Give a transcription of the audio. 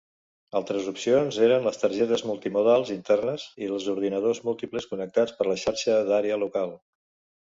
Altres opcions eren les targetes multimodals internes i els ordinadors múltiples connectats per la xarxa d'àrea local.